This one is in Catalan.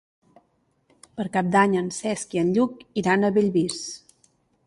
Per Cap d'Any en Cesc i en Lluc iran a Bellvís.